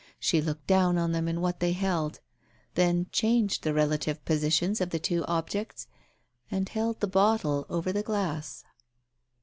She looked down on them and what they held ... then changed the relative positions of the two objects and held the bottle over the glass.